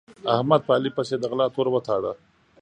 احمد په علي پسې د غلا تور وتاړه.